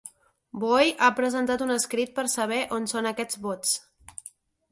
Boye ha presentat un escrit per a saber on són aquests vots.